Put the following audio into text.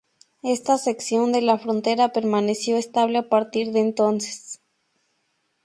Esta sección de la frontera permaneció estable a partir de entonces.